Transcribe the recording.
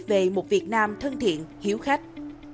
về một việt nam thân thiện hiếu khách